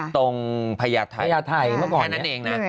ตรงพญาไทยแค่นั้นเองนะ